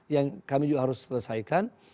yang kami juga harus selesaikan